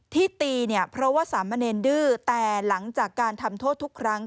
ที่ตีเนี่ยเพราะว่าสามเณรดื้อแต่หลังจากการทำโทษทุกครั้ง